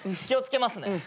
気を付けますね。